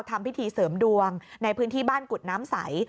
ทำพิธีเสริมดวงในพื้นที่บ้านกุฎน้ำใส